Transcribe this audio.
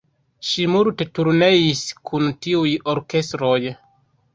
Ŝi multe turneis kun tiuj orkestroj.